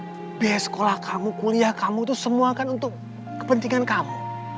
tapi biaya sekolah kamu kuliah kamu itu semua kan untuk kepentingan kamu